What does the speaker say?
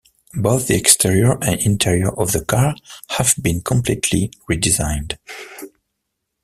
Both the exterior and interior of the car have been completely redesigned.